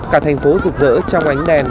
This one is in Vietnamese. cả thành phố rực rỡ trong ánh đèn